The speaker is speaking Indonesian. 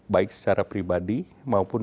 baik secara pribadi maupun